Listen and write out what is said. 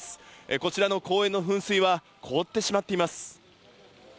こちらの公園の噴水は凍ってしまっています。